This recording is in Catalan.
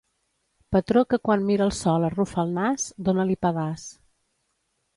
Patró que quan mira el sol arrufa el nas, dona-li pedaç.